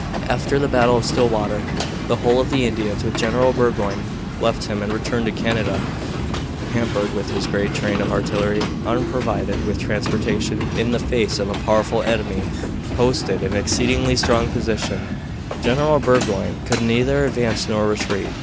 After the battle of Stillwater the whole of the Indians with General Burgoyne left him and returned to Canada. Hampered with his great train of artillery, unprovided with transportation, in the face of a powerful enemy posted in an exceedingly strong position, General Burgoyne could neither advance nor retreat.